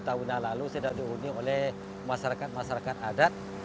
dua ribu tahun tahun lalu sudah dihuni oleh masyarakat masyarakat adat